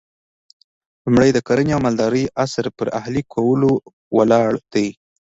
لومړی د کرنې او مالدارۍ عصر پر اهلي کولو ولاړ دی